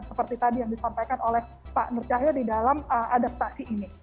seperti tadi yang disampaikan oleh pak nur cahyo di dalam adaptasi ini